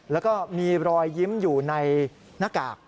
แล้วก็มีรอยยิ้มอยู่ในหน้ากาก